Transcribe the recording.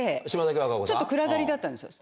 ちょっと暗がりだったんですよ。